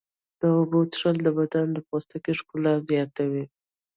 د اوبو څښل د بدن د پوستکي ښکلا زیاتوي.